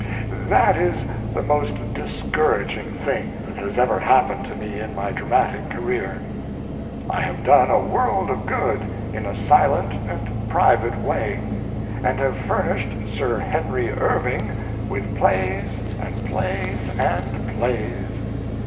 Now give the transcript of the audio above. That is the most discouraging thing that has ever happened to me in my dramatic career. I have done a world of good in a silent and private way, and have furnished Sir Henry Irving with plays and plays and plays.